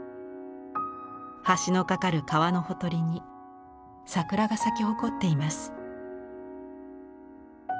橋の架かる川のほとりに桜が咲き誇っています。